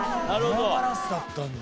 グラマラスだったんだ。